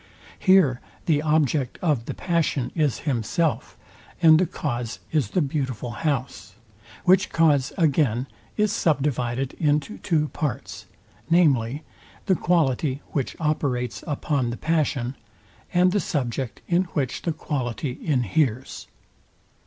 Here the object of the passion is himself, and the cause is the beautiful house: Which cause again is sub divided into two parts, viz. the quality, which operates upon the passion, and the subject in which the quality inheres.